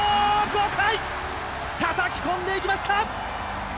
豪快たたき込んでいきました